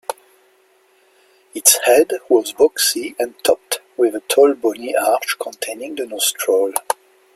Its head was boxy and topped with a tall bony arch containing the nostrils.